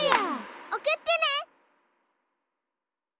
おくってね！